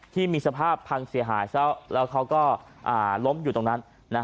ที่มีสภาพพังเสียหายซะแล้วเขาก็ล้มอยู่ตรงนั้น